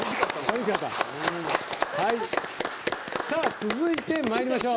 続いてまいりましょう。